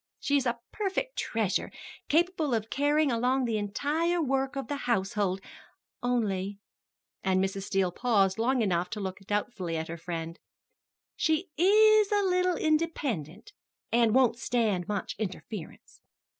She is a perfect treasure, capable of carrying along the entire work of the household, only" and Mrs. Steele paused long enough to look doubtfully at her friend "she is a little independent, and won't stand much interference."